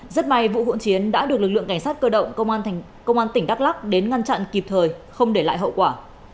rất may vụ hỗn chiến đã được lực lượng cảnh sát cơ động công an tỉnh đắk lắc đến ngăn chặn kịp thời không để lại hậu quả